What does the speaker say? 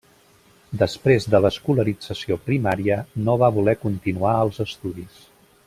Després de l'escolarització primària, no va voler continuar els estudis.